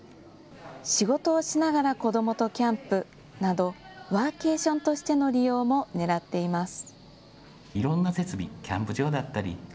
仕事をしながら子どもとキャンプなどワーケーションとしての利用もねらっています。